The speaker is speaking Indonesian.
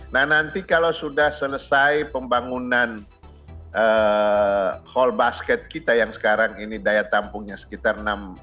nah nanti kalau sudah selesai pembangunan hall basket kita yang sekarang ini daya tampungnya sekitar enam